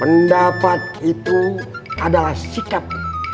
pendapat itu adalah sikap